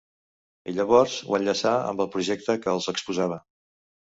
I llavors ho enllaçà amb el projecte que els exposava.